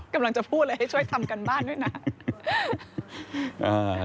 กำลังจะพูดเลยให้ช่วยทำการบ้านด้วยนะ